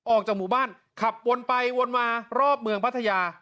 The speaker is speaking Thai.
ออกจากหมู่บ้านขับวนไปวนมารอบเมืองพัทยา